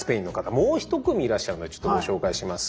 もう一組いらっしゃるのでちょっとご紹介します。